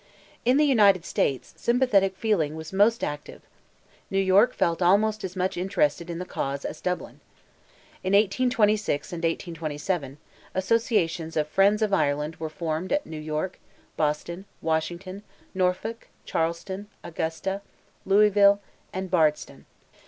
In the United States sympathetic feeling was most active. New York felt almost as much interested in the cause as Dublin. In 1826 and 1827, associations of "Friends of Ireland" were formed at New York, Boston, Washington, Norfolk, Charleston, Augusta, Louisville, and Bardstown.